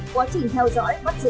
quá trình theo dõi bắt giữ